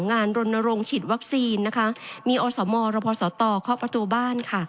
งานรณรงค์ฉีดวัคซีนมีอสมรพสตเข้าประตูบ้าน